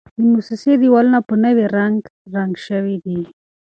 د موسسې دېوالونه په نوي رنګ رنګ شوي دي.